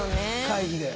会議で。